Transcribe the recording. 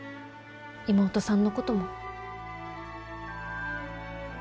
妹さんのことも。